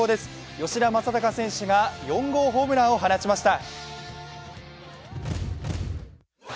吉田正尚選手が４号ホームランを放ちました。